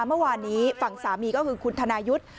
เมื่อวานนี้ฝั่งสามีก็คือคุณธนายุทธ์